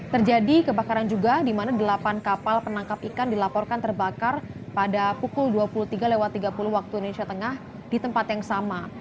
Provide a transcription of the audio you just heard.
terjadi kebakaran juga di mana delapan kapal penangkap ikan dilaporkan terbakar pada pukul dua puluh tiga tiga puluh waktu indonesia tengah di tempat yang sama